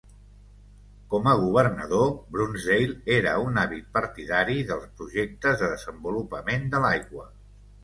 Com a governador, Brunsdale era un àvid partidari dels projectes de desenvolupament de l'aigua.